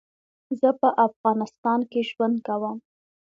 زه په افغانستان کي ژوند کوم